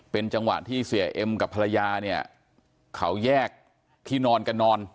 เป็นจังหวะที่เสียเอ็มกับภรรยาเนี่ยเขาแยกที่นอนกันนอน